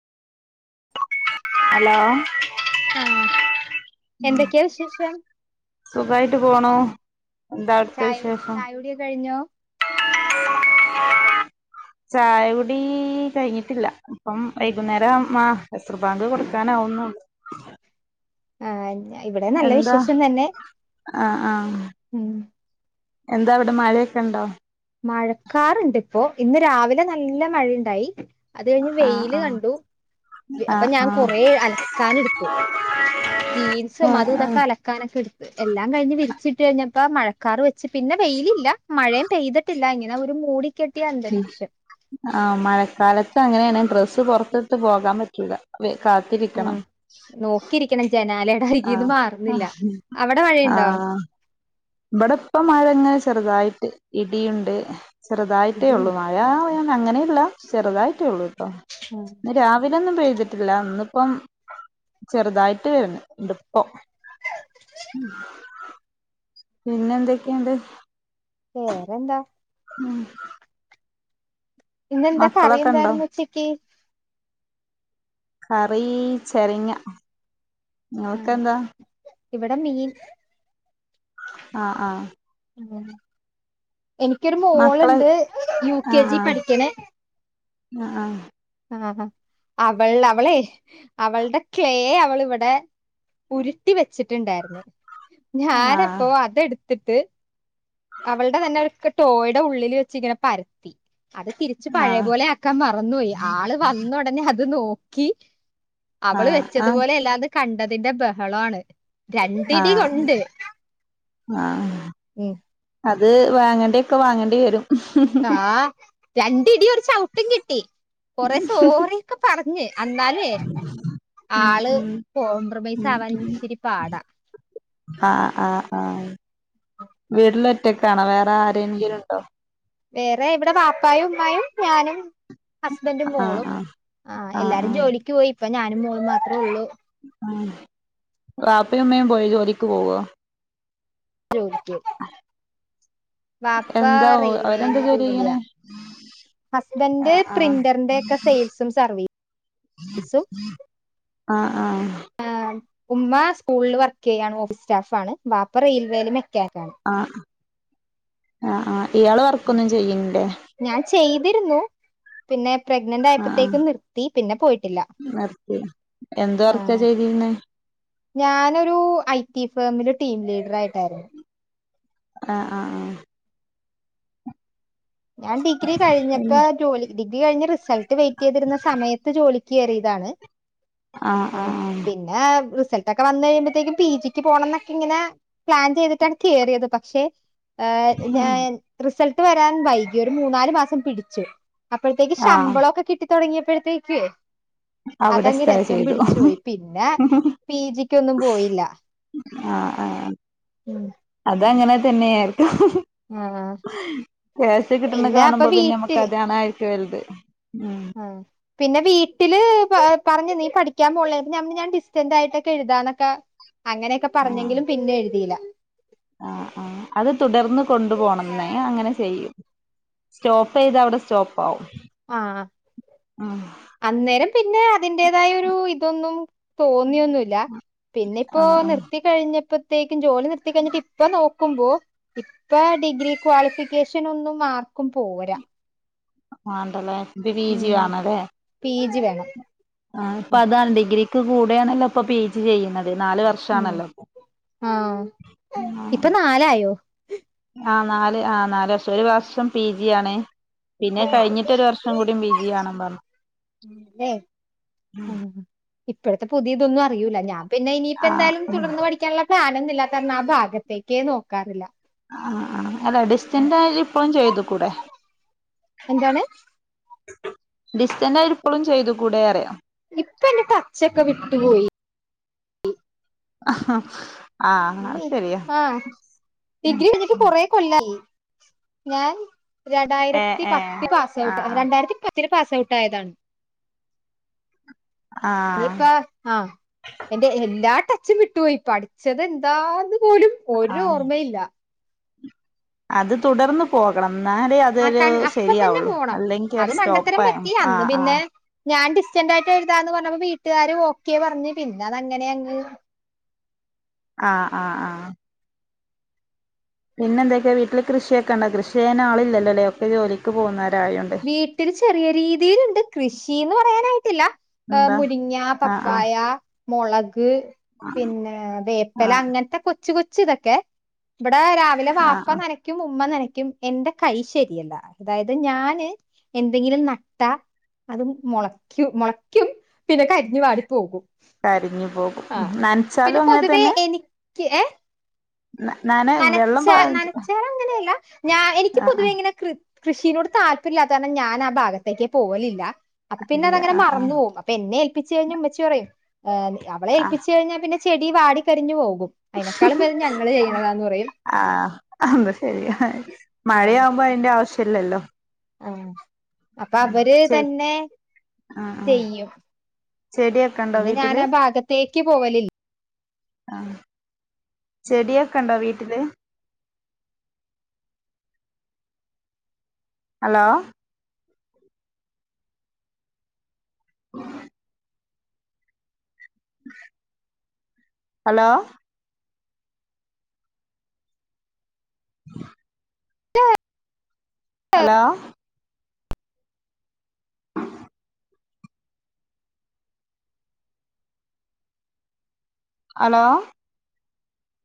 Hello.. എന്തൊക്കെയ വിശേഷം. സുഖായിട്ട് പോണു. എന്താ അവിടത്തെ വിശേഷം. യ കുടി ഒക്കെ കഴിഞ്ഞോ? ചായകുടീ. കഴിഞ്ഞിട്ടില്ല ഇപ്പം വൈകുന്നേരം ആഹ്. അസർ ബാങ്ക് കൊടുക്കാനാവുന്നുള്ളു ആഹ് ഇവിടെയും നല്ല വിശേഷം തന്നെ അ ആഹ് ഉം എന്താവിടെ മഴൊക്കെണ്ടോ മഴക്കാറ്ണ്ട്പ്പോ ഇന്ന് രാവിൽ വിലെ നല്ല മഴയുണ്ടായി അത് കഴിഞ്ഞ് ആ വെയില് ആ കണ്ടു ആ അപ്പൊ ഞാൻ ആ കൊറ ആ അലക്കാന് ടുത്തു. ജീൻസും അതും ആ ഇതൊക്കെ അലക് അലക്കാനൊക്കെ എടുത്ത് എല്ലാം കഴിഞ്ഞ് വിരിച്ചിട്ട് കഴിഞ്ഞപ്പോ മഴക്കാർ വെച്ച് പിന്നെ വെയിലില്ല മഴയും പെയ്തിട്ട് ല്ല ഇങ്ങനെ ഒരു മൂടിക്കെട്ടിയ അന്തരീക്ഷം ആഹ് മഴക്കാലത്ത് അങ്ങനെയാണ് ഡ്രസ്സ് പുറത്തിട്ട് പോകാൻ പറ്റൂല കാത്തിരിക്കണം ആഹ് നോക്കിയിരിക്കണം ജനാലയുടെ ആ അരികിന്ന് മാറുന്നില്ല അവിടെ മഴയുണ്ടോ ഇബടെ പ്പ മഴയങ്ങ്ചെറുതായിട്ട് ഇടിയുണ്ട്ഹ് ചെറുതായിട്ടേ ഉള്ളു ഇടിയുണ്ട് മഴയാ അങ്ങനെയില്ല ചെറുതായിട്ടേ ഉള്ളൂ കേട്ടോ ഉം ഇന്ന് രാവിലെ ഒന്നും പെയ്തിട്ടില്ല ഇന്നിപ്പം ചെറുതായിട്ട് വരുന്നുണ്ട് പ്പം ഉം പിന്നെ ന്തൊക്കെയുണ്ട് വേറെന്താ ഉം ഇന്ന് എന്താ കറി മക്കളൊക്കെ ഉണ്ടോ എന്തായിരുന്നു ഉച്ചയ്ക്ക് കറീ ചെരങ്ങ ആ നിങ്ങൾക്കെന്താ ഇവിടെ മീൻ ആഹ് ആഹ് എനിക്കൊരു മക്കള് മോളുണ്ട് യു കെ ജി പഠിക്കണ് ആ ആഹ് ആഹ് അവൾ അവളെ അവളുടെ ക്ലേ അവളിവിടെ ഉരുട്ടി വെച്ചിട്ടുണ്ടായിരുന്നു ആഹ് ഞാനപ്പോ അതെടുത്തിട്ട് അവളുടെ തന്നെ ടോയുടെ ഉള്ളിൽ വെച്ച് ഇങ്ങനെ പരത്തി അത് തിരി ച്ച് ആഹ് പഴയ ആഹ് പോലെ ആക്കാൻ മറന്നുപോയി ആള് വന്ന ഉടനെ അത് നോക്കി അവള് ആഹ് ആഹ് വെച്ചതുപോലെ അല്ലാതെ കണ്ടതിന്റെ ബഹളവാണ് രണ്ടിടി ആഹ് കൊണ്ട് ആഹ് ഉം അത് വാങ്ങേണ്ടേക്കെ വാങ്ങേണ്ടി വരും ആഹ് രണ്ടിടി ഒരു ചവിട്ടും കിട്ടി കൊറേ സോറി ക്ക പറഞ്ഞുഅന്നാലേ ഉം ആള് ഉം കോംപ്രമൈസ് ഉം ആവാൻ ഉം ഇച്ചിരി പാടാ ആഹ് ആഹ് ആഹ് വീട്ടില് ഒറ്റക്കാണോ വേറെ ആരെെങ്കിലും ഉണ്ടോ വേറെ ഇവിടെ വാപ്പായും ഉമ്മായും ഞാനും ഹസ്ബൻഡും ആഹ് മോളും ആഹ് ആഹ് എല്ലാരും ജോലിക്ക് പോയി ഇപ്പ ഞാനും മോളും മാത്രേ ഉള്ളൂ ആഹ് വാപ്പയും ഉമ്മയും പോയി ജോലിക്ക് പോകുവോ ജോലിക്ക് പോകും വാപ്പാ എന്താ ഓ റെയിൽവേയിൽ അവരെന്താ ജോലി ചെയ്യണേ ജോലിയാ ഹസ്ബൻഡ് ആഹ് പ്രിന്ററിന്റെ ക്കെ സെയിൽസും സർവെയ്യും ആഹ് ആഹ് ആഹ് ഉമ്മ സ്കൂളിൽ വർക്ക്യ്യാണ് ഓഫീസ് സ്റ്റാഫണ് ബാപ്പ റെയിൽവേയിലെ മെക്കാനിക് ആണ് ആഹ് ആഹ് ആഹ്ഇയാള് വർക്കൊന്നും ചെയ്യുന്നില്ലേ ഞാൻ ചെയ്തിരുന്നു പിന്നെ പ്രഗ്നന്റ് ആയപ്പോത്തേക്കും നിർത്തി പിന്നെ പോയിട്ടില്ല വർകെയ്യാ എന്ത് ആ വർക്കാ ചെയ്തിരുന്നെ ഞാനൊരു ഐ ടി ഫേമില് ടീം ലീഡർ ആയിട്ടായിരുന്നു ആഹ് ആഹ് ആഹ് ഞാൻ ഡിഗ്രി കഴിഞ്ഞപ്പോ ജോലി ഡിഗ്രി കഴിഞ് റിസൾട്ട് വെയിറ്റ് ചെയ്തിരുന്ന സമയത്ത് പ്പ ജോലിക്ക് കയറിയതാണ് ആഹ് പിന്നെ പിന്നെ റിസൾട്ട് ഒക്കെ വന്നു കഴിയുമ്പഴത്തേക്കും പി ജിക്ക് പോണം എന്നൊക്കെ ഇങ്ങനെ പ്ലാൻ ചെയ്തിട്ടാണ് കയറിയത് പക്ഷെ ഏ ഞാൻ റിസൾട്ട് വരാൻ വൈകി ഒരു മൂന്നാല് മാസം പിടിച്ചു അപ്പോഴത്തേക്ക് ആഹ് ആഹ് ശമ്പളംൊക്കെ കിട്ടി തുടങ്ങിയപ്പോഴത്തേക് അവിടെ അതങ് സ്റ്റേ രസം ചെയ്തു പിടിച്ചു പോയി പിന്നെ പി ജിക്ക് ഒന്നും പോയില്ല ആഹ് ആഹ് ഉം അതങ്ങനെ തന്നെയായിരിക്കും ആഹ് ക്യാഷ് കിട്ടുന്ന പിന്നെ അപ്പൊ കാണുമ്പോ പിന്നെ വീട്ടില് നമ്മക്ക് അതാണ് ആയിരിക്ക വലത് ഉം ആഹ് പിന്നെ വീട്ടില് പ പറഞ്ഞു നീ പഠിക്കാൻ പോണില്ലേ ഞ ഞമ് ഞാൻ ഡിസ്റ്റന്റ് ആയിട്ടൊക്കെ എഴുതാന്നൊക്കെ അങ്ങനെയൊക്കെ പറഞ്ഞെങ്കിലും പിന്നെ എഴുതിയില്ല ആ ആ അത് തുടർന്ന് കൊണ്ടു പോണംന്നെ അങ്ങനെ ചെയ്യും സ്റ്റോപ്പ് ചെയ്ത അവിടെ സ്റ്റോപ്പവും ആഹ് അഹ് അന്നേരം പിന്നെ അതിന്റേതായ ഒരു ഇതൊന്നും തോന്നിയൊന്നുല്ല പിന്നെ ഇപ്പോ ആഹ് ആഹ് നിർത്തി കഴിഞ്ഞപ്പോത്തേക്കും ജോലി നിർത്തി കഴിഞ്ഞിട്ട് ഇപ്പ നോ ക്കുപോ ഇപ്പൊ ഡിഗ്രി ക്വാളിഫിക്കേഷൻ ഒന്നും മാർക്കും പോരാ മണ്ടല്ലേ ഇപ്പ പി ജി ഉം വണല്ലേ പി ജി വേണം ആ ഇപ്പൊ ഉം അതാണ് ഡിഗ്രിക്ക് കൂടെയാണല്ലോ ഇപ്പൊ പി എ ജി ചെയ്യുന്നത് നാല് വർഷ ഉം ഷാണലോപ്പം ആഹ് ഇപ്പൊ [unintelligible] നാലായോ ആ നാല് ആ നാല് വർഷം ഒരു വർഷം പി ജി ആണ് പിന്നെ ആഹ് കഴിഞ്ഞിട്ടരു വർഷം കൂട പി ജി വണ പറഞ്ഞു ഇപ്പോഴത്തെ പുതിയതൊന്നും അറയിൂ ഞാൻപിന്ന ഇനിയിപ്പോ ആ എന്തായാലും തുടർന്ന് പഠിക്കാനുള്ള പ്ലാൻന്നില്ലത കാരണം ആ ഭാഗത്തേക്ക് നോക്കാറില്ല ആ ആ അല്ലാ ഡിസ്റ്റന്റെ ആയി ഇപ്പോഴും ചെയ്തു കൂടെ എന്താണ് ഡിസ്റ്റൻആയി ഇപ്പോഴും ചെയ്തു കൂടെ പറയാ ഇപ്പ എന്റെ ടച്ചൊക്കെ വിട്ടുപോയി ആഹ് ആഹ ഡിഗ്രി കഴിഞ്ഞിട്ട് കൊറെ കൊല്ലായി ഞൻ ഏ രണ്ടായിരത്തി ഏ പത്തിൽ ആ പാസഔട്ട് രണ്ടായിരത്തിപ പത്തിൽ പാസ് ഔട്ട് ആയതാണ് ആ ആ ഇനിയിപ്പ ആഹ എന്റെ എല്ലാ ടച്ചും വിട്ടുപോയി പഠിച്ചത് എന്താന്ന് പോലും ആ ഒരു ഓർമ്മയില്ല. അത് തുടർന്ന് പോകണം എന്നാലേ ആ അതരു കൺ അപ്പ തന്നെ ശരിയാവുള്ളു പോണം അല്ലെങ്കിൽ അത് സ്റ്റോപ്പ മണ്ടത്തരം ആായ പറ്റി ആ അന്ന് ആ പിന്നെ ഞാൻ ഡിസ്റ്റന്റ് ആയിട്ട് എഴുത എന്ന് പറഞ്ഞപ്പോ വീട്ടുകാർ ഓക്കെ പറഞ്ഞു പിന്നെ അത് അങ്ങനെ അങ്ങ് ആഹ ആ ആഹ പിന്നെന്തൊക്കെയ വീട്ടില് കൃഷിയൊക്കെണ്ട കൃഷ ചെയ്യാ ആളില്ലല്ലോല്ലേ ഒക്കെ ജോലി പോകുന്നവരായണ്ട്. വീട്ടിൽ ചെറിയ രീതിയിലുണ്ട് കൃഷിന്ന് പറയാനായിട്ടില്ല. ആ എന്താ മുരിങ്ങ, ആഹ് ആഹ് പപ്പായ- മോളക് പിന്നെ വേപ്പല ആഹ് അങ്ങനത്തെ കൊച് കൊച് തൊക്കെ. വിടെ രാവിലെ വാപ്പ ആഹ് ആഹ് നനക്കും ഉമ്മ നനക്കും എന്റെ കൈ ശരിയല്ല അതായത് ഞാന് എന്തെങ്കിലും നട്ട അതും മോളക്കും മോളക്കും പിന്നെ കരിഞ്ഞു വാടി പോകും. കരിഞ്ഞു പോകും, നനച്ചാലും അങ്ങനെ തന്നെ! ക്ക് ഏയ്. [inaudible] പ നനച്ചാ നനച്ചാർ അങ്ങനെയല്ല. ഞാൻ എനിക്ക് ആഹ് പൊതുവെ ആഹ് ഇങ്ങനെ കൃ കൃഷീിനോട് താല്പര്യം ഇല്ലാത്ത കാരണം ഞാൻ ആ ഭാഗത്തേക്ക് പോകലില്ല. അപ്പൊ പിന്നെ ഇല്ല അങ്ങനെ ആഹ് മറന്ന ആഹ് പോവും അപ്പൊ എന്നെ ഏൽപ്പിച്ച് കഴിഞ്ഞും വെച്ച് പറയുംഏ് ആഹ് അവളെഏൽപ്പിച്ചച്ച് കഴിഞ്ഞാൽ പിന്നെ ചെടി വാടി കരിഞ്ഞു പോകും അതിനെക്കാളും വര ഞങ്ങള് ചെയ്യുന്നത ആഹ് അത് ശരിയാ ആഹ് മഴയാവുമ്പോ അതിന്റെ ആവശ്യ ല്ലല്ലോ. ആഹ് അപ്പൊ അവര് തന്നെ ആഹ് ആഹ് ചെയ്യും. ചെടിയൊക്കെ ണ്ടോ വീട്ടില്? തേക്ക് പോകലി ആഹ് ചെടിയൊക്കെ ഉണ്ടോ വീട്ടില്? Hello [inaudible] hello! [inaudible] ഹലോ! [inaudible] ഹലോ!